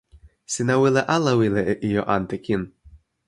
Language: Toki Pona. sina wile ala wile e ijo ante kin?